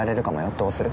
どうする？